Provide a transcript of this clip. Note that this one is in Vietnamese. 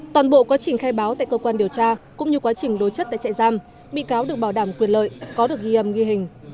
toàn bộ quá trình khai báo tại cơ quan điều tra cũng như quá trình đối chất tại chạy giam bị cáo được bảo đảm quyền lợi có được ghi âm ghi hình